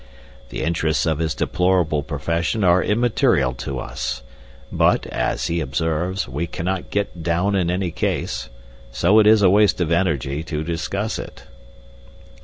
"The interests of his deplorable profession are immaterial to us; but, as he observes, we cannot get down in any case, so it is a waste of energy to discuss it."